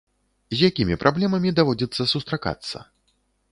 З якімі праблемамі даводзіцца сустракацца?